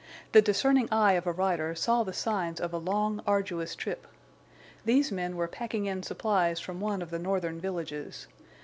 The discerning eye of a rider saw the signs of a long, arduous trip. These men were packing in supplies from one of the northern villages.